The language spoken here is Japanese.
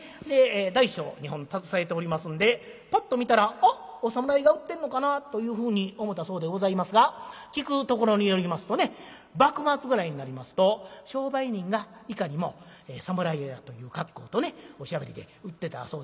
大小２本携えておりますんでパッと見たら「あお侍が売ってんのかな」というふうに思たそうでございますが聞くところによりますとね幕末ぐらいになりますと商売人がいかにも侍やという格好とねおしゃべりで売ってたそうでございます。